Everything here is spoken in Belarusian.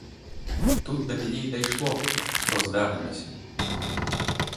Тут да мяне і дайшло, што здарылася.